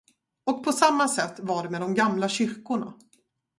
Och på samma sätt var det med de gamla kyrkorna.